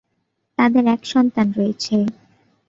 তাদের এক সন্তান রয়েছে।